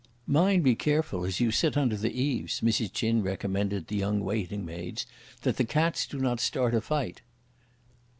"Mind be careful, as you sit under the eaves," Mrs. Ch'in recommended the young waiting maids, "that the cats do not start a fight!"